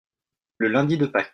Le lundi de Pâques.